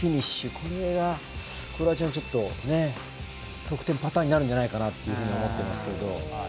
これがクロアチアの、ちょっと得点パターンになるんじゃないかなというふうに思っていますけど。